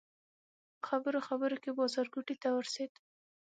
په خبرو خبرو کې بازارګوټي ته ورسېدو.